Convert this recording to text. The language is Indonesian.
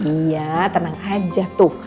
iya tenang aja tuh